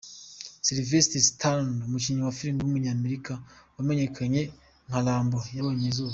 Sylvester Stallone, umukinnyi wa filime w’umunyamerika wamenyekanye nka Rambo yabonye izuba.